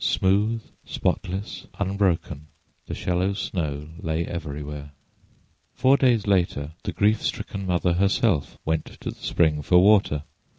Smooth, spotless, unbroken, the shallow snow lay everywhere. Four days later the grief stricken mother herself went to the spring for water.